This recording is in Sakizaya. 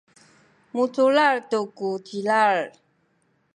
muculal tu ku cilal